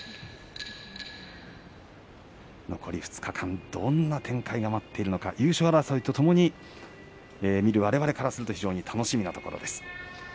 残り２日間、どんな展開が待っているのか優勝争いとともにわれわれからすると楽しみなところです。